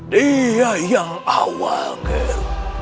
dia yang awal ger